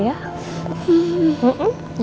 sekarang tidur ya